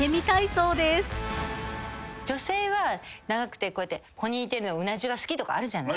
女性は長くてポニーテールのうなじが好きとかあるじゃない。